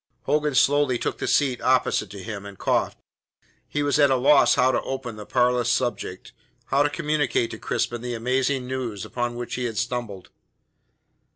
Hogan slowly took the seat opposite to him, and coughed. He was at a loss how to open the parlous subject, how to communicate to Crispin the amazing news upon which he had stumbled.